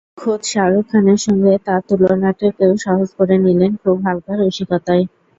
খোদ শাহরুখ খানের সঙ্গে তাঁর তুলনাটাকেও সহজ করে নিলেন খুব হালকা রসিকতায়।